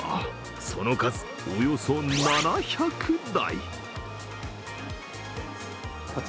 その数およそ７００台。